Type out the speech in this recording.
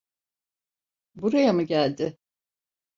Buraya mı geldi?